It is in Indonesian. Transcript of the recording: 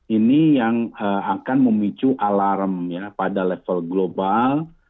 ini yang akan memicu alarm ya pada level global